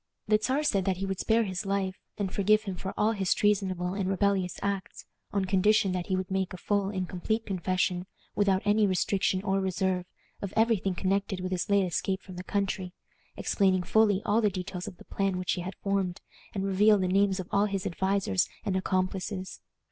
The Czar said that he would spare his life, and forgive him for all his treasonable and rebellious acts, on condition that he would make a full and complete confession, without any restriction or reserve, of every thing connected with his late escape from the country, explaining fully all the details of the plan which he had formed, and reveal the names of all his advisers and accomplices.